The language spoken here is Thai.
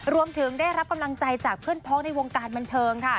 ได้รับกำลังใจจากเพื่อนพ้องในวงการบันเทิงค่ะ